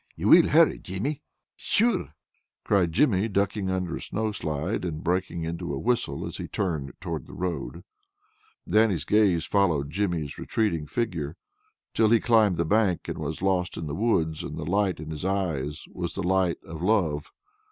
Ye will hurry, Jimmy?" "Sure!" cried Jimmy, ducking under a snow slide, and breaking into a whistle as he turned toward the road. Dannie's gaze followed Jimmy's retreating figure until he climbed the bank, and was lost in the woods, and the light in his eyes was the light of love.